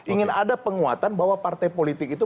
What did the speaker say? ingin ada penguatan bahwa partai politik itu